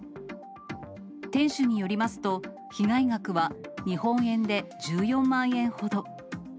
店主によりますと、被害額は日本円で１４万円ほど。